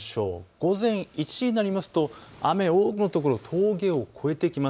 午前１時になりますと雨、多くのところ、峠を越えてきます。